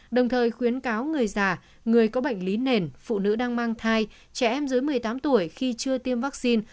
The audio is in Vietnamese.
đồng thời khuyến cáo người già người có bệnh lý nền phụ nữ đang mang thai trẻ em dưới một mươi tám tuổi khi chưa tiêm vaccine